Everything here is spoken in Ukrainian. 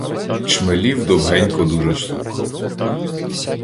Чмелів довгенько дуже слухав